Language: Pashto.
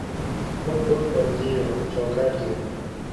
موږ ټولې بندې یو چوکاټ کې یو